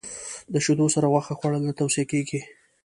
د شیدو سره غوښه خوړل نه توصیه کېږي.